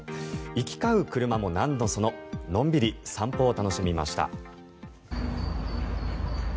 行き交う車もなんのそののんびり散歩を楽しみました。